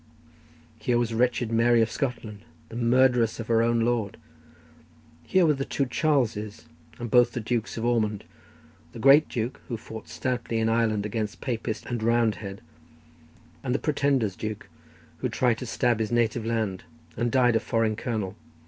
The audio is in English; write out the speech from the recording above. Here was wretched Mary of Scotland, the murderess of her own lord. Here were the two Charleses, and both the Dukes of Ormond—the great Duke who fought stoutly in Ireland against Papist and Roundhead; and the Pretender's Duke who tried to stab his native land, and died a foreign colonel.